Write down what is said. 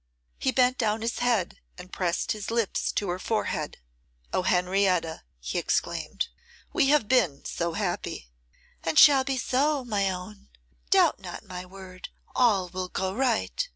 He bent down his head, and pressed his lips to her forehead. 'O Henrietta!' he exclaimed, 'we have been so happy!' 'And shall be so, my own. Doubt not my word, all will go right.